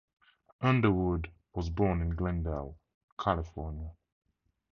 Underwood was born in Glendale, California.